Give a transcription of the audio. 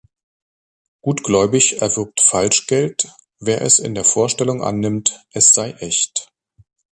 Gutgläubig erwirbt Falschgeld, wer es in der Vorstellung annimmt, es sei echt.